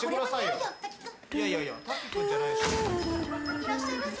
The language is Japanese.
いらっしゃいませ。